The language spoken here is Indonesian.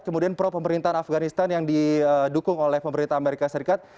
kemudian pro pemerintahan afganistan yang didukung oleh pemerintah amerika serikat